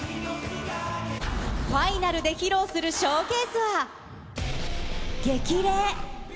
ファイナルで披露するショーケースは、激励。